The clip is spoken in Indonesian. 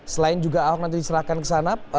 selain juga ahok nanti diserahkan ke sana